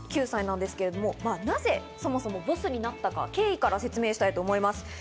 ９歳なんですけど、なぜそもそもボスになったか、経緯から説明したいと思います。